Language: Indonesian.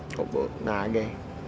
kok buat naik lagi